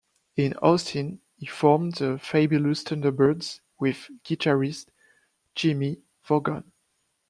In Austin he formed the Fabulous Thunderbirds with guitarist Jimmie Vaughan.